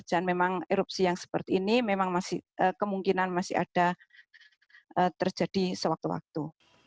dan memang erupsi yang seperti ini memang kemungkinan masih ada terjadi sewaktu waktu